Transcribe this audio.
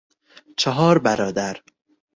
چهار برادر